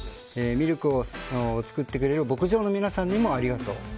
ミルクを作ってくれる牧場の皆さんにもありがとう。